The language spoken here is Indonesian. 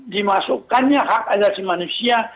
dimasukkannya hak asasi manusia